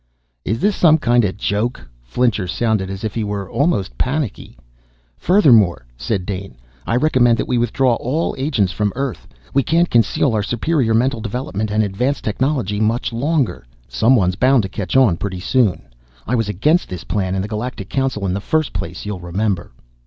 "Is this some kind of joke?" Fincher sounded as if he were almost panicky. "Furthermore," said Dane, "I recommend that we withdraw all agents from Earth. We can't conceal our superior mental development and advanced technology much longer. "Someone's bound to catch on pretty soon. I was against this plan in the Galactic Council in the first place, you'll remember.